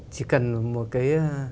chỉ cần một cái